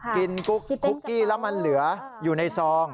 กินกุ๊กคุกกี้แล้วมันเหลืออยู่ในซอง